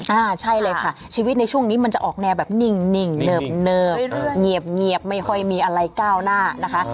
อ่าใช่เลยค่ะชีวิตในช่วงนี้มันจะออกแนวแบบนิ่งเนิบเงียบไม่ค่อยมีอะไรก้าวหน้านะคะ